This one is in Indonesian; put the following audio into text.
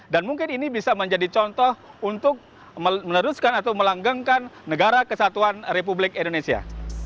dan mungkin ini bisa menjadi contoh untuk meneruskan atau melanggengkan negara kesatuan republik indonesia